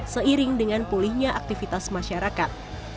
seiring dengan pulihnya aktivitas masyarakat